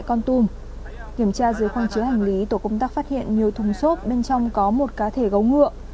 ông nguyễn phạm tổ công tác phát hiện nhiều thùng xốp bên trong có một cá thể gấu ngựa